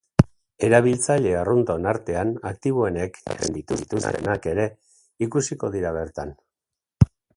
Erabiltzaile arrunton artean aktiboenek esaten dituztenak ere ikusiko dira bertan.